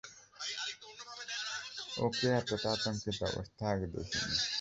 ওকে এতোটা আতংকিত অবস্থায় আগে দেখিনি!